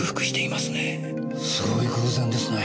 すごい偶然ですねぇ。